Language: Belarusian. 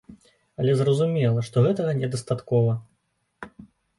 Але зразумела, што гэтага не дастаткова.